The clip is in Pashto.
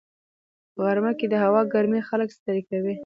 په غرمه کې د هوا ګرمي خلک ستړي کوي